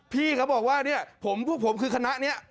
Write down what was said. พี่เขาบอกว่าเนี่ยพวกผมคือคณะนี้